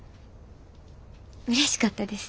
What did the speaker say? うれしかったです。